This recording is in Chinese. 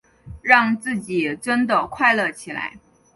让自己真的快乐起来